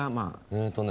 えっとね